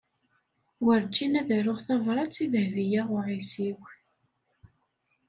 Werjin ad aruɣ tabṛat i Dehbiya u Ɛisiw.